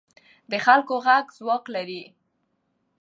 د خلکو غږ ځواک لري